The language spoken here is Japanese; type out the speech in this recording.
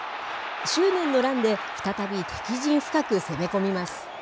執念のランで、再び敵陣深く攻め込みます。